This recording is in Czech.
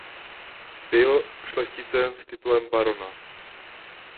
Byl šlechticem s titulem barona.